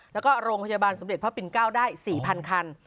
แล้วก็โรงพยาบาลสมเด็จพระปิ่น๙ได้๔๐๐คัน